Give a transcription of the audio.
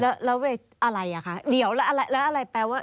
แล้วอะไรอ่ะคะเดี๋ยวแล้วอะไรแปลว่า